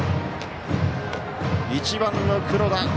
１番の黒田。